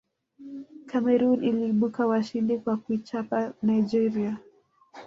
cameroon iliibuka washindi kwa kuichapa nigeria